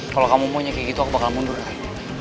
kalau kamu maunya kayak gitu aku bakal mundur kayaknya